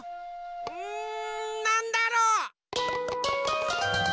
うんなんだろう。